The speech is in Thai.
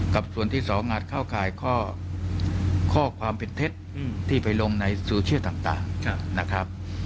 กับส่วนที่สองอาจเข้าข่ายข้อข้อความผิดเท็จที่ไปลงในสูตรเชื่อต่างนะครับ